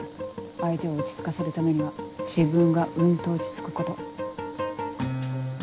相手を落ち着かせるためには自分がうんと落ち着くこと。